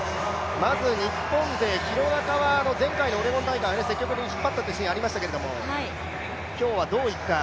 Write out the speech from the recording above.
まず日本勢、廣中は前回のオレゴン大会、積極的に引っ張ったシーンがありましたが今日はどういった？